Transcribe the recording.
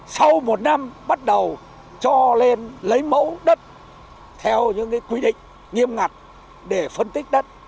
sau một năm bắt đầu cho lên lấy mẫu đất theo những quy định nghiêm ngặt để phân tích đất